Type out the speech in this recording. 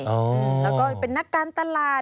แล้วก็เป็นนักการตลาด